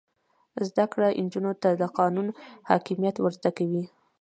زده کړه نجونو ته د قانون حاکمیت ور زده کوي.